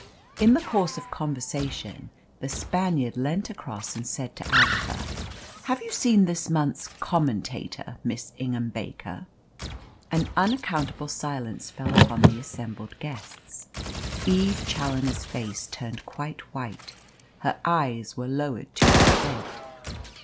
In the course of conversation the Spaniard leant across and said to Agatha "Have you seen this month's Commentator, Miss Ingham Baker?" An unaccountable silence fell upon the assembled guests. Eve Challoner's face turned quite white. Her eyes were lowered to her plate.